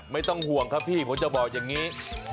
ไม่ต้องห่วงครับพี่ผมจะบอกอย่างนี้